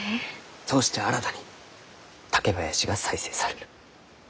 そうして新たに竹林が再生される。